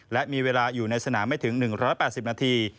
และมีเวลาอยู่ในสนามไม่ถึง๑๘๐นาที